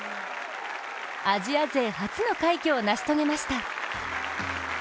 アジア勢初の快挙を成し遂げました。